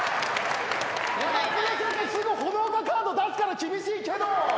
山菅先生すぐほのおかカード出すから厳しいけど！